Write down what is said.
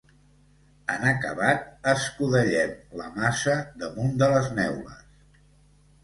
En acabar, escudellem la massa damunt de les neules.